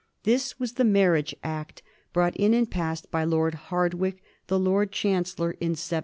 This was the Marriage Act, brought in and passed by Lord Hardwicke, the Lord Chancellor, in 1753.